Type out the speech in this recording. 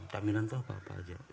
camilan tuh apa apa aja